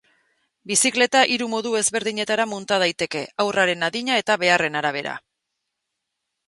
Bizikleta hiru modu ezberdinetara munta daiteke, haurraren adina eta beharren arabera.